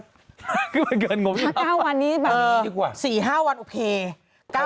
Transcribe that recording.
ถ้า๙วันนี้เออ๔๕วันโอเค